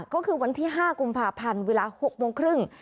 ก็คือวันที่๕กุมภาพันธ์เวลา๖โมงครึ่ง